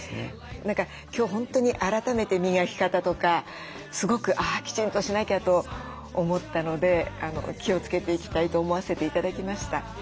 何か今日本当に改めて磨き方とかすごくあきちんとしなきゃと思ったので気をつけていきたいと思わせて頂きました。